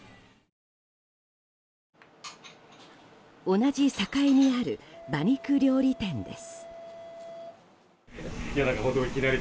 同じ栄にある馬肉料理店です。